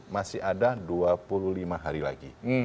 masih ada dua puluh lima hari lagi